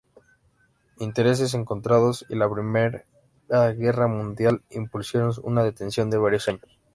Intereses encontrados y la Primera Guerra Mundial impusieron una detención de varios años.